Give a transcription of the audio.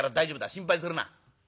心配するな。